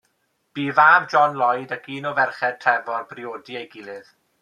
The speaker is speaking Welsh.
Bu i fab John Lloyd ac un o ferched Trefor briodi ei gilydd.